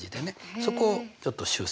そこをちょっと修正かな。